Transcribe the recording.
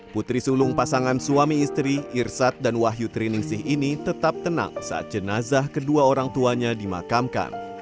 putri sulung pasangan suami istri irsad dan wahyu triningsih ini tetap tenang saat jenazah kedua orang tuanya dimakamkan